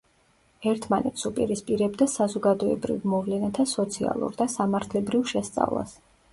ერთმანეთს უპირისპირებდა საზოგადოებრივ მოვლენათა „სოციალურ“ და „სამართლებრივ“ შესწავლას.